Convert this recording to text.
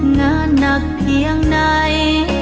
งานหนักเพียงไหน